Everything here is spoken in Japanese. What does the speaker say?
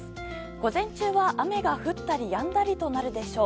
午前中は、雨が降ったりやんだりとなるでしょう。